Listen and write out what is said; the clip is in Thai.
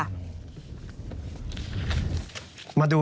มาดูกันก่อน